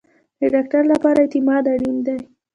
د ډاکټر لپاره اعتماد اړین دی